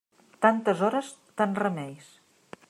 Tantes hores, tants remeis.